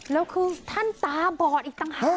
แล้วคือท่านตาบอดอีกตั้งครั้ง